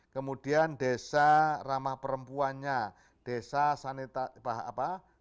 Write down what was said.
kemudian desa ramah perempuannya desa sanita apa